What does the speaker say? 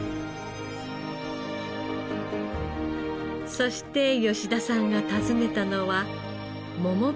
そして吉田さんが訪ねたのは桃畑。